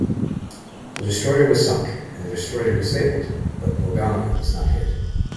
The destroyer was sunk, and the destroyer disabled, but "Mogami" was not hit.